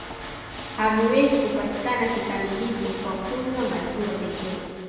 Haviwezi kupatikana kikamilifu kwa kunywa maziwa pekee